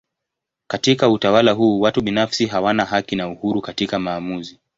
Katika utawala huu watu binafsi hawana haki na uhuru katika maamuzi.